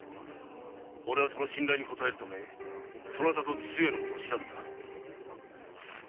おれはその信頼に応えるためそなたと父上のことを調べた。